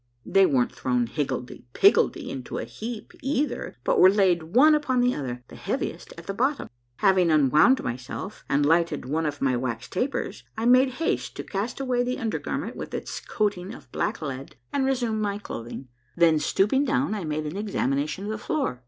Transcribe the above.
They weren't thrown higgledy piggledy into a heap either, but were laid one upon the other, the heaviest at the bottom. Having unwound myself and lighted one of my wax tapers, 40 A MARVELLOUS UNDERGROUND JOURNEY I made haste to cast away the undergarment with its coating of black lead and resume my clothing; then stooping down, I made an examination of the floor.